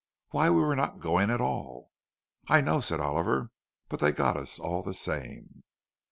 "Why, we were not going at all." "I know," said Oliver; "but they've got us all the same."